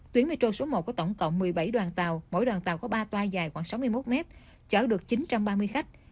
tuyến metro số một có tổng cộng một mươi bảy đoàn tàu mỗi đoàn tàu có ba toa dài khoảng sáu mươi một mét chở được chín trăm ba mươi khách